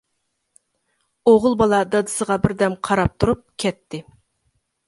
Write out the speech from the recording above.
ئوغۇل بالا دادىسىغا بىردەم قاراپ تۇرۇپ كەتتى.